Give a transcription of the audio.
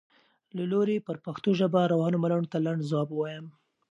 له لوري پر پښتو ژبه روانو ملنډو ته لنډ ځواب ووایم.